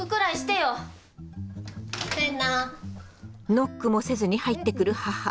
ノックもせずに入ってくる母。